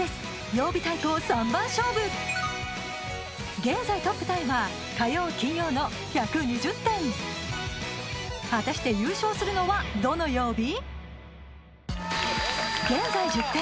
曜日対抗三番勝負現在トップタイは火曜金曜の１２０点果たして優勝するのはどの曜日？